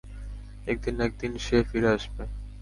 একদিন না একদিন সে ফিরে আসবে।